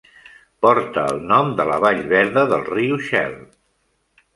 Porta el nom de la vall verda del riu Shell.